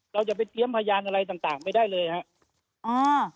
เราจะไปเตรียมพยานอะไรต่างไม่ได้เลยครับ